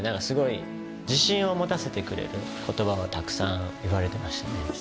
すごい自信を持たせてくれる言葉をたくさん言われてましたね。